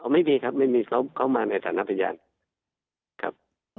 ไม่มีครับไม่มีเขามาในฐานะพยานครับ